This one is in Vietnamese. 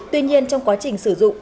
tuy nhiên trong quá trình sử dụng